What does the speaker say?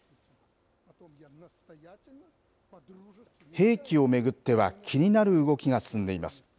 兵器を巡っては、気になる動きが進んでいます。